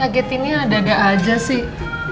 gagetinnya ada ada aja sih